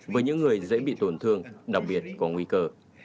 với những người dễ bị tổn thương đặc biệt có nguy cơ